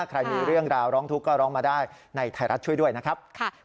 ใครมีเรื่องราวร้องทุกข์ก็ร้องมาได้ในไทยรัฐช่วยด้วยนะครับ